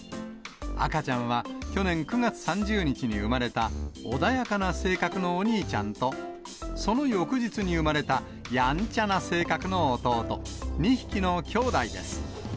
赤ちゃんは、去年９月３０日に産まれた穏やかな性格のお兄ちゃんと、その翌日に産まれたやんちゃな性格の弟、２匹の兄弟です。